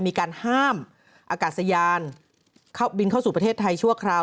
มีการห้ามอากาศยานบินเข้าสู่ประเทศไทยชั่วคราว